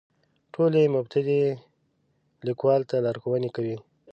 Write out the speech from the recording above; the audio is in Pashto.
ټول یې مبتدي لیکوالو ته لارښوونې کوي.